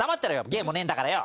芸もねえんだからよ。